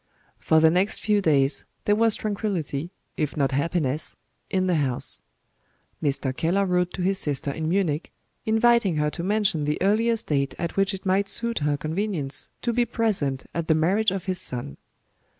For the next few days there was tranquillity, if not happiness, in the house. Mr. Keller wrote to his sister in Munich, inviting her to mention the earliest date at which it might suit her convenience to be present at the marriage of his son.